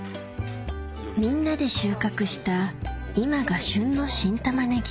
みんなで収穫した今が旬の新玉ねぎ